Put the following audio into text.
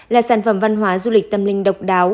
là sản phẩm văn hóa du lịch tâm linh độc đáo